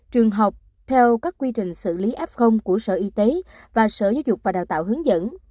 trường học theo các quy trình xử lý f của sở y tế và sở giáo dục và đào tạo hướng dẫn